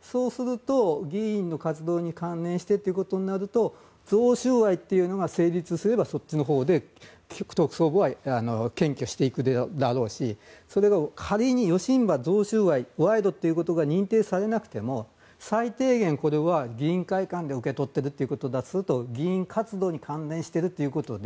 そうすると、議員の活動に関連してということになると贈収賄というのが成立すればそっちのほうで特捜部は検挙していくだろうし仮に贈収賄、賄賂ということが認定されなくても最低限、議員会館で受け取っていることだとすると議員活動に関連しているということで